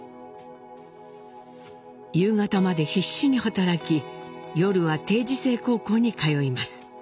夕方まで必死に働き夜は定時制高校に通います。